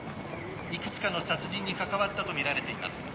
幾つかの殺人に関わったとみられています。